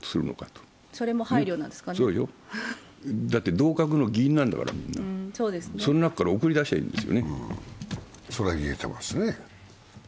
同格の議員なんだから、その中から送り出せばいいんですよ。